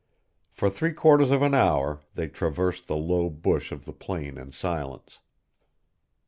For three quarters of an hour they traversed the low bush of the plain in silence.